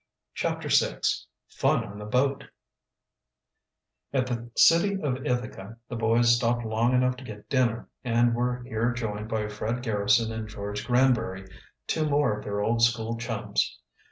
CHAPTER VI FUN ON THE BOAT At the city of Ithaca the boys stopped long enough to get dinner, and were here joined by Fred Garrison and George Granbury, two more of their old school chums.